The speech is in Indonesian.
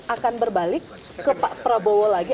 akan berbalik ke pak prabowo lagi